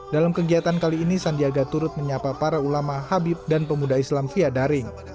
dalam kegiatan kali ini sandiaga turut menyapa para ulama habib dan pemuda islam fia daring